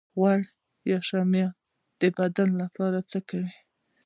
غوړ یا شحمیات د بدن لپاره څه کوي